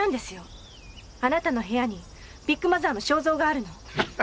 あなたの部屋にビッグマザーの肖像があるのを。